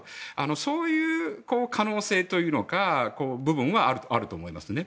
そういう可能性の部分というのがあると思いますね。